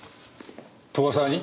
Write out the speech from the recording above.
斗ヶ沢に？